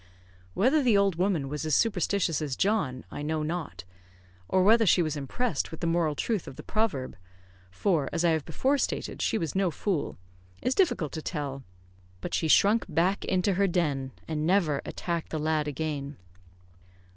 Whether the old woman was as superstitious as John, I know not; or whether she was impressed with the moral truth of the proverb for, as I have before stated, she was no fool is difficult to tell; but she shrunk back into her den, and never attacked the lad again.